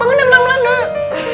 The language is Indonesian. pengen pengen pengen